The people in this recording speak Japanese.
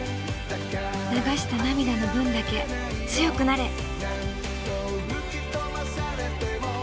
流した涙の分だけ強くなれ！